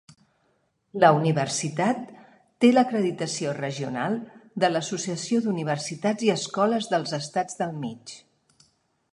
La universitat té l'acreditació regional de l'Associació d'Universitats i Escoles dels Estats del Mig.